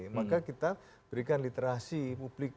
maka kita berikan literasi publik